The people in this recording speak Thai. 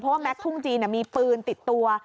เพราะว่าแม็กซทุ่งจีนมีปืนติดตัว